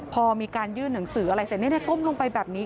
พอมีการยื่นหนังสืออะไรเสร็จก้มลงไปแบบนี้